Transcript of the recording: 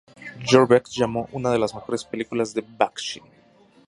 Jerry Beck llamó "una de las mejores películas de Bakshi.